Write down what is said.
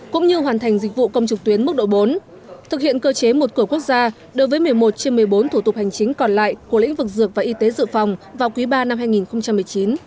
cũng như hoàn thành dịch vụ công trục tuyến mức độ bốn thực hiện cơ chế một cửa quốc gia đối với một mươi một trên một mươi bốn thủ tục hành chính còn lại của lĩnh vực dược và y tế dự phòng vào quý ba năm hai nghìn một mươi chín